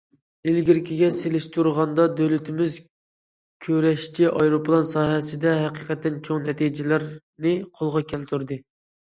ئىلگىرىكىگە سېلىشتۇرغاندا، دۆلىتىمىز كۈرەشچى ئايروپىلان ساھەسىدە ھەقىقەتەن چوڭ نەتىجىلەرنى قولغا كەلتۈردى.